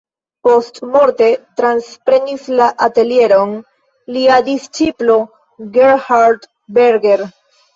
Postmorte transprenis la atelieron lia disĉiplo Gerhard Berger.